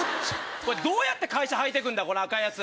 どうやって会社履いてくんだこの赤いやつ。